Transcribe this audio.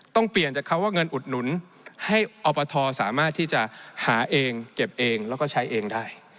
ต้องเปลี่ยนจากคำว่าเงินอุดหนุนให้อบทสามารถที่จะหาเองเก็บเองแล้วก็ใช้เองได้